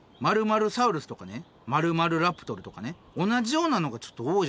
○サウルスとかね○○ラプトルとかね同じようなのがちょっと多いじゃないですか。